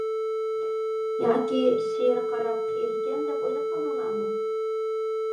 ياكى شېئىرغا قاراپ قېرى ئىكەن دەپ ئويلاپ قالدىڭلارمۇ؟